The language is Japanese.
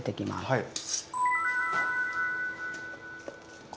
はい。